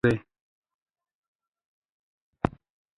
خصوصي سکتور څنګه شریک دی؟